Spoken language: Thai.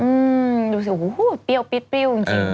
อือดูสิอู๋เปรี้ยวจริง